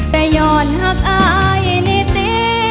แต่ย้อนหักอายนิติ